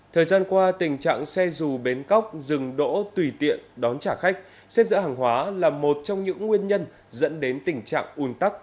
thời gian qua tình trạng xe dù bến cóc rừng đỗ tùy tiện đón trả khách xếp dỡ hàng hóa là một trong những nguyên nhân dẫn đến tình trạng ùn tắc